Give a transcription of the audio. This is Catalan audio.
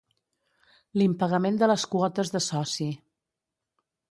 L'impagament de les quotes de soci.